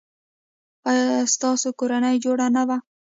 ایا ستاسو کورنۍ جوړه نه ده؟